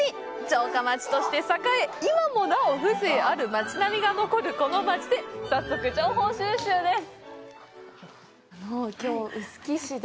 城下町として栄え、今もなお風情ある町並みが残るこの町で早速情報収集です！